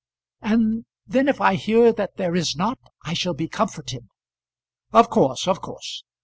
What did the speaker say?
"And then if I hear that there is not, I shall be comforted." "Of course; of course."